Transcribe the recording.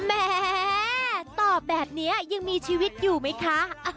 แม่ตอบแบบนี้ยังมีชีวิตอยู่ไหมคะ